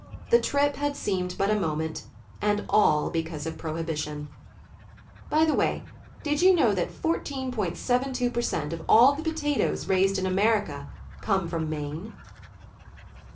The trip had seemed but a moment, and all because of Prohibition. By the way, did you know that 14.72 per cent, of all the potatoes raised in America come from Maine?